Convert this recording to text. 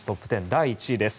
第１位です。